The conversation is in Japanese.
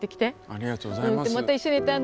ありがとうございます。